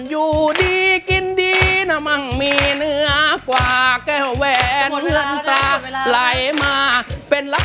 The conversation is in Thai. อยู่ดีกินดีมันมีเนื้อกว่าแก้วแหวนสาหร่ายมาเป็นรัก